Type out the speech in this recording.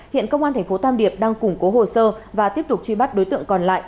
hiện công an tp tam điệp đang củng cố hồ sơ và tiếp tục truy bắt đối tượng còn lại